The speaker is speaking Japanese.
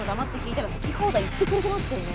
てりゃ好き放題言ってくれてますけどね